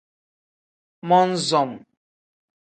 Mon-som.